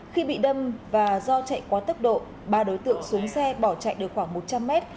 khi bị đâm và do chạy quá tốc độ ba đối tượng xuống xe bỏ chạy được khoảng một trăm linh mét